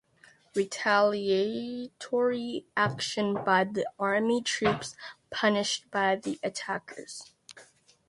Retaliatory action by the Army troops punished the attackers.